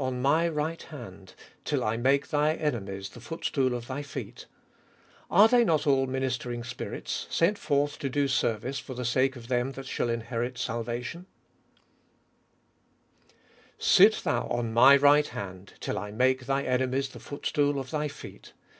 on my right hand, Till I make thy enemies the footstool of thy feet (Ps. ex.). 14. Are they not all ministering spirits, sent forth to do service for the sake of them that shall inherit salvation P Sit thou on My right hand, till I make Thy enemies the footstool of Thy feet.